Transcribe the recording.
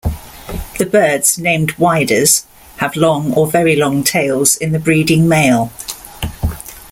The birds named "whydahs" have long or very long tails in the breeding male.